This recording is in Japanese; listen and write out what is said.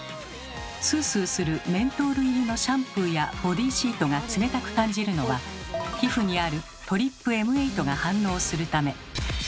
スースーするメントール入りのシャンプーやボディーシートが冷たく感じるのは皮膚にあるＴＲＰＭ８が反応するため。